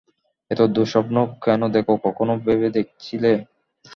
এত দুঃস্বপ্ন কেন দেখো কখনও ভেবে দেখেছিলে?